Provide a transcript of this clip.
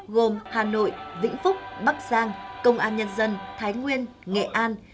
gồm hà nội vĩnh phúc bắc giang công an nhân dân thái nguyên nghệ an